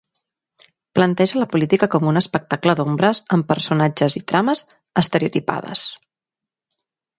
Planteja la política com un espectacle d'ombres amb personatges i trames estereotipades.